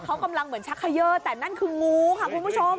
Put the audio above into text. เขากำลังเหมือนชักเขย่อแต่นั่นคืองูค่ะคุณผู้ชม